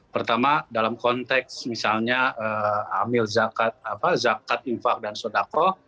pertama dalam konteks misalnya amil zakat zakat infak dan sodakoh